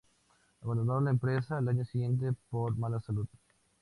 Abandonó la empresa al año siguiente por mala salud.